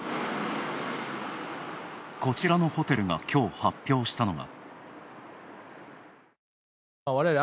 こちらのホテルが、きょう発表したのが。